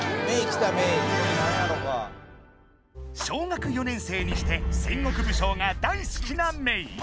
小学４年生にして戦国武将が大好きなメイ。